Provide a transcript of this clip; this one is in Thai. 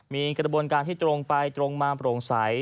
มีกระบวนการที่ตรงไปตรงมาโปร่งใส